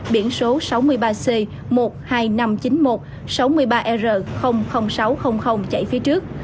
biển số sáu mươi ba c một mươi hai nghìn năm trăm chín mươi một sáu mươi ba r sáu trăm linh chạy phía trước